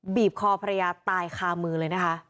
บีบคอภรรยาตายคามือเลยนะคะ